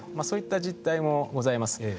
そういった実態もございます。